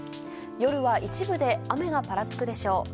夜は一部で雨がぱらつくでしょう。